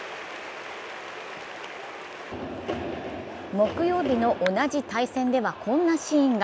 木曜日の同じ対戦ではこんなシーンが。